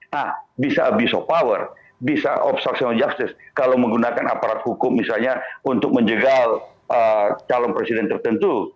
nah bisa abuse of power bisa obstruction of justice kalau menggunakan aparat hukum misalnya untuk menjegal calon presiden tertentu